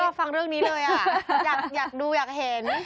ฟังเรื่องนี้เลยอ่ะอยากดูอยากเห็น